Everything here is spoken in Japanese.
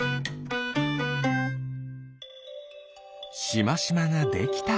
しましまができた。